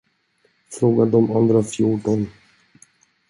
Fråga de andra fjorton.